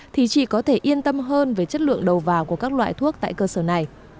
thì chị có thể yên tâm hơn về chất lượng đầu vào của các loại thuốc tại cơ sở này